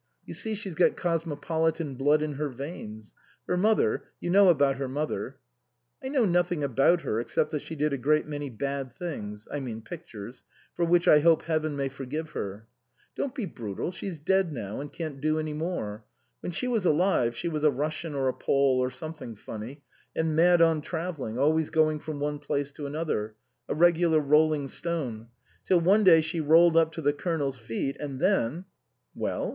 You see she's got cosmopolitan blood in her veins. Her mother you know about her mother ?"" I know nothing about her except that she did a great many bad things I mean pic tures for which I hope Heaven may forgive her." " Don't be brutal. She's dead now and can't do any more. When she was alive she was a Russian or a Pole or something funny, and mad on travelling, always going from one place to another a regular rolling stone ; till one day she rolled up to the Colonel's feet, and then "" Well